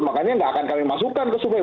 makanya nggak akan kami masukkan ke sungai